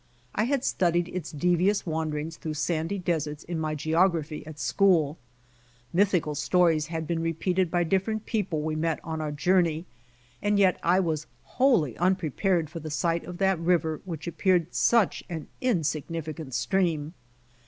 I had studied its devious wanderings through sandy deserts in my geography at school. Mythical stories had been repeated by different people we met on our journey, and yet I was wholly unprepared for the sight of that river which appeared such an insignificant stream.